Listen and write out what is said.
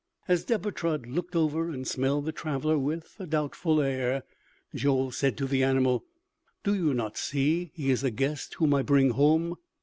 As Deber Trud looked over and smelled the traveler with a doubtful air, Joel said to the animal: "Do you not see he is a guest whom I bring home?"